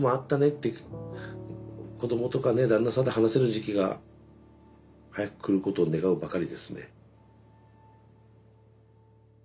って子どもとかね旦那さんと話せる時期が早く来ることを願うばかりですね。